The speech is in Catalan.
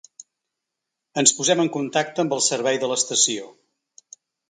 Ens posem en contacte amb el servei de l'estació.